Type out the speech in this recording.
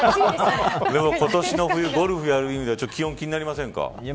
今年の冬、ゴルフやる上では気温気になりませんか。